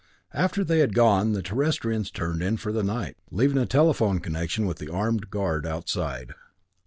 After they had gone, the Terrestrians turned in for the night, leaving a telephone connection with the armed guard outside.